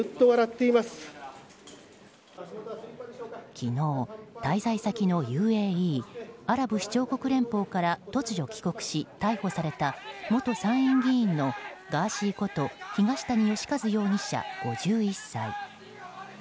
昨日、滞在先のＵＡＥ・アラブ首長国連邦から突如、帰国し逮捕された元参院議員のガーシーこと東谷義和容疑者、５１歳。